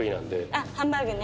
あっハンバーグね。